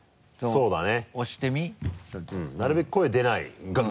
そうだね。